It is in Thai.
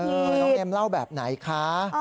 น้องเอ็มเล่าแบบไหนคะ